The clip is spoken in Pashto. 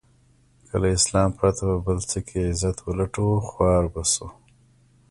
که له اسلام پرته په بل څه کې عزت و لټوو خوار به شو.